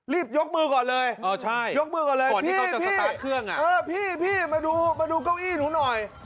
รีบยกมือก่อนเลยพี่มาดูเก้าอี้หนูหน่อย